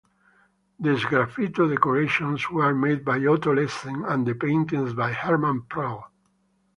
The sgraffito decorations were made by Otto Lessing and the paintings by Hermann Prell.